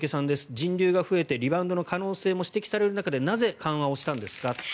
人流が増えてリバウンドの可能性も指摘される中でなぜ、緩和をしたんですか。